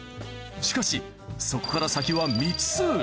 しかしそこから先は未知数。